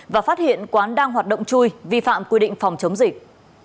và phát hiện quán đang hoạt động chui vi phạm quy định phòng chống dịch